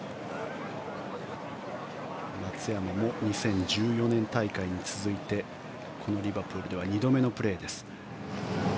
松山も２０１４年大会に続いてこのリバプールでは２度目のプレーです。